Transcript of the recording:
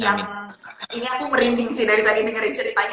yang ini aku merinding sih dari tadi dengerin ceritanya